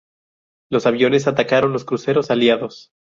Los aviones atacaron los cruceros aliados.